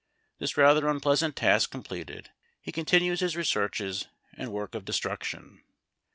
This rather impleasant task completed, he continues his researches and work of destruction.